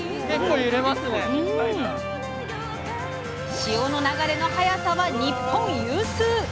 潮の流れの速さは日本有数！